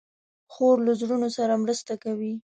خور له زړونو سره مرسته کوي.